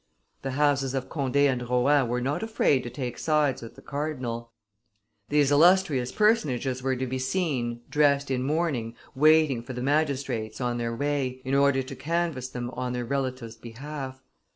The houses of Conde and Rohan were not afraid to take sides with the cardinal: these illustrious personages were to be seen, dressed in mourning, waiting for the magistrates on their way, in order to canvass them on their relative's behalf.